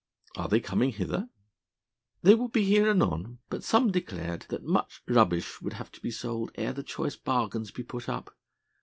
"Are they coming hither?" "They will be here anon; but some declared that much rubbish would have to be sold ere the choice bargains be put up.